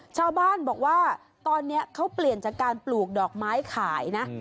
ชาวบ้านบอกว่าตอนนี้เขาเปลี่ยนจากการปลูกดอกไม้ขายนะ